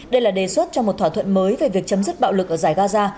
đây là đề xuất cho một thỏa thuận mới về việc chấm dứt bạo lực ở giải gaza